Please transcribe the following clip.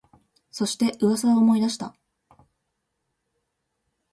そして、噂を思い出した